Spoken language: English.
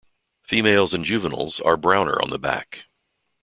Females and juveniles are browner on the back.